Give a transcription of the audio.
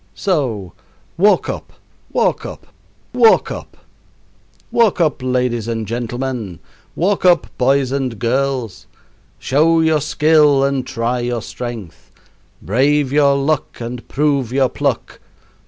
So, walk up, walk up, walk up. Walk up, ladies and gentlemen! walk up, boys and girls! Show your skill and try your strength; brave your luck and prove your pluck.